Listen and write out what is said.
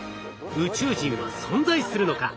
宇宙人は存在するのか？